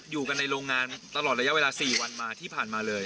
อยู่กันในโรงงานตลอดระยะเวลา๔วันมาที่ผ่านมาเลย